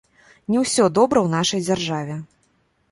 Не ўсё добра ў нашай дзяржаве.